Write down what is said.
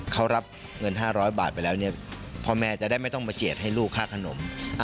เขารับเงิน๕๐๐บาทไปแล้วเนี่ยพ่อแม่จะได้ไม่ต้องมาเจียดให้ลูกค่าขนม